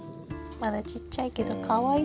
まだちっちゃいけどかわいい。